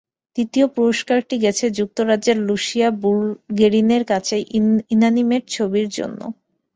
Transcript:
তৃতীয় পুরস্কারটি গেছে যুক্তরাজ্যের লুসিয়া বুলগেরনির কাছে, ইনানিমেট ছবির জন্য।